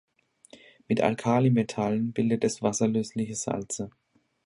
Mit Alkalimetallen bildet es wasserlösliche Salze.